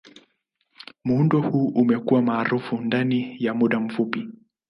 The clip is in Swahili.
Muundo huu umekuwa maarufu ndani ya muda mfupi.